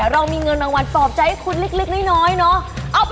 เรามีเงินรางวัลปลอบใจให้คุณเล็กน้อยเนาะ